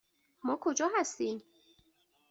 ما کجا هستیم؟